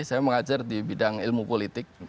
saya mengajar di bidang ilmu politik